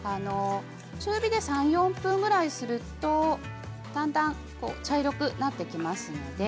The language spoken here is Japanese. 中火で３分、４分ぐらいするとだんだん茶色くなってきます。